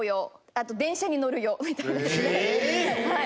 あと電車に乗る用みたいなはい。